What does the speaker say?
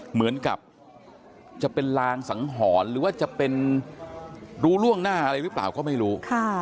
เหมือนกับจะเป็นลางสังหรณ์หรือว่าจะเป็นรู้ล่วงหน้าอะไรหรือเปล่าก็ไม่รู้